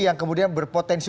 yang kemudian berpotensi